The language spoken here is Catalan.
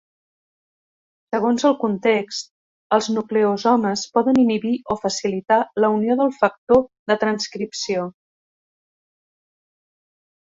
Segons el context, els nucleosomes poden inhibir o facilitar la unió del factor de transcripció.